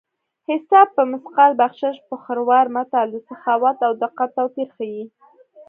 حساب په مثقال بخشش په خروار متل د سخاوت او دقت توپیر ښيي